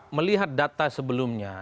kalau melihat data sebelumnya